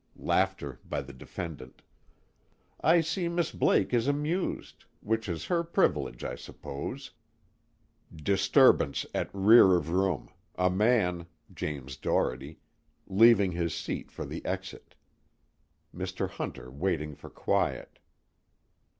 [Laughter by the defendant.] I see Miss Blake is amused, which is her privilege I suppose. [_Disturbance at rear of room, a man (James Doherty) leaving his seat for the exit; Mr. Hunter waiting for quiet.